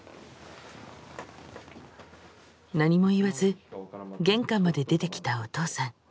何も言わず玄関まで出てきたお父さん。